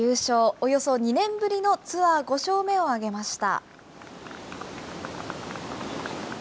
およそ２年ぶりのツアー５勝目を挙げました。